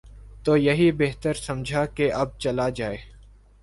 تو یہی بہتر سمجھا کہ اب چلا جائے۔